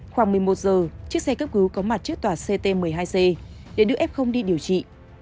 khoảng một mươi một giờ chiếc xe cấp cứu có mặt trước tòa ct một mươi hai c để đưa f đi điều trị